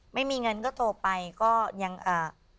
ไม่มีเงินก็โทรไปก็ยังอ่า